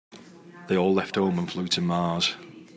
They all left home and flew to Mars.